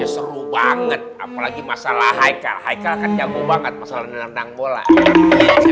seru banget apalagi masalah hai karena itu akan jangkau banget bye bye